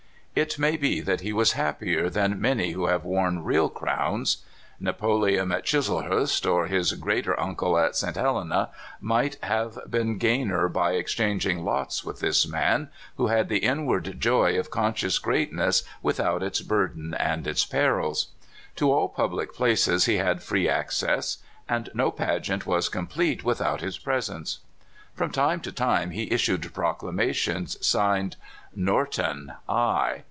It may be that he was happier than many who have w^orn real crowns. Napoleon at Chiselhurst, or his greater uncle at St. Helena, might have been gainer by exchanging lots with this man, who had the inward joy of conscious greatness without its burden and its perils. To all public places he had free access, and no pageant was complete without his presence. From time to time he issued procla mations, signed " Norton I.